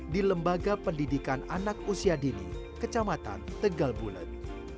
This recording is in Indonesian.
di lembaga pendidikan anak usia dini kecamatan tegal bulet